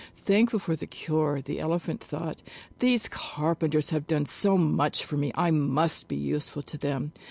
Thankful for the cure, the Elephant thought: "These carpenters have done so much for me, I must be useful to them."